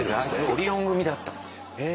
オリオン組だったんですよ。